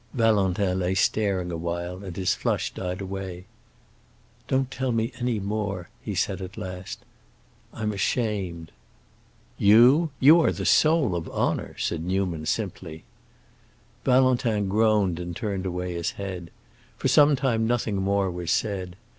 Valentin lay staring a while, and his flush died away. "Don't tell me any more," he said at last. "I'm ashamed." "You? You are the soul of honor," said Newman simply. Valentin groaned and turned away his head. For some time nothing more was said.